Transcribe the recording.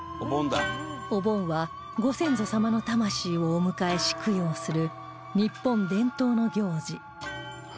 お盆はご先祖様の魂をお迎えし供養する日本伝統の行事